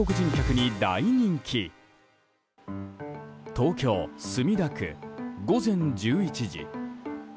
東京・墨田区、午前１１時。